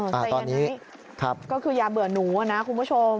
อ๋อไซยาไนท์ก็คือยาเบื่อหนูนะคุณผู้ชม